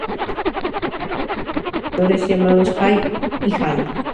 Tiene dos hermanos mayores llamados Hay y Hal.